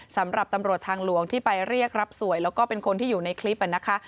สำหรับตำรวจทางหลวงที่ไปเรียกรับสวยแล้วก็เป็นคนที่อยู่ในคลิปนะคะ